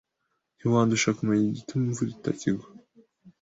Ntiwandusha kumenya igituma imvura itakigwa